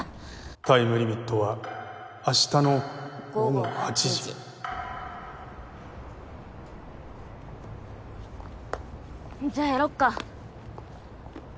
タイムリミットは明日の（美咲じゃあやろうか。